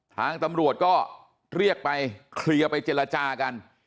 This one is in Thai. ทางตำรวจก็เรียกไปเคลียร์ไปเจรจากัน